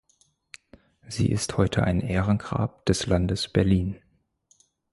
Sie ist heute ein Ehrengrab des Landes Berlin.